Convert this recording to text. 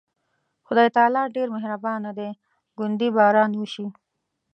خدای تعالی ډېر مهربانه دی، ګوندې باران وشي.